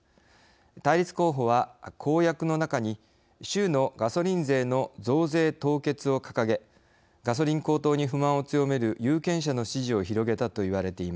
対立候補は公約の中に州のガソリン税の増税凍結を掲げガソリン高騰に不満を強める有権者の支持を広げたといわれています。